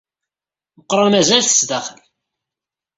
Meqqran mazal-t sdaxel.